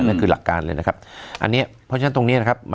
นั่นคือหลักการเลยนะครับอันนี้เพราะฉะนั้นตรงนี้นะครับ